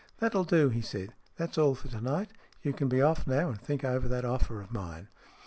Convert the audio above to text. " That'll do," he said. " That's all for to night. You can be off now, and think over that offer of mine."